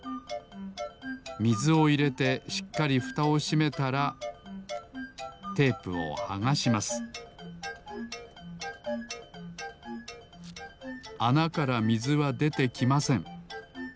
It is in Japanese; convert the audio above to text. みずをいれてしっかりフタをしめたらテープをはがしますあなからみずはでてきません。